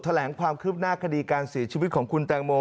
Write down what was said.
แหลงความคืบหน้าคดีการเสียชีวิตของคุณแตงโม